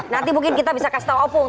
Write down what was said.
nanti mungkin kita bisa kasih tau opung